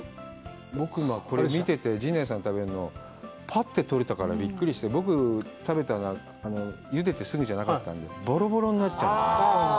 僕はこれ見てて、陣内さん食べるののぱって取れたから、びっくりして、僕、食べたのはゆでてすぐじゃなかったのでボロボロになっちゃうんだよね。